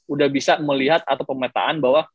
udah bisa melihat atau pemetaan bahwa